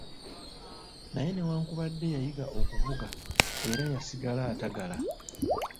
Naye newankubadde yayiga okuvuga era yasigala atagala.